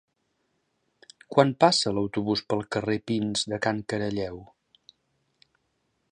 Quan passa l'autobús pel carrer Pins de Can Caralleu?